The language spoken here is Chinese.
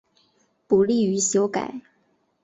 不利于修改